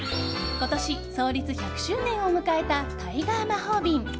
今年、創立１００周年を迎えたタイガー魔法瓶。